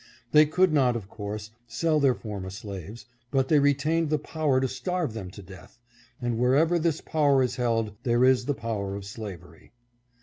They could not, of course, sell their former slaves, but they retained the power to starve them to death, and wherever this power is held there is the power of slavery.